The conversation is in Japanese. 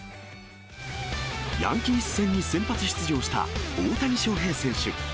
ヤンキース戦に先発出場した大谷翔平選手。